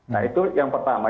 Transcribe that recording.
nah itu yang pertama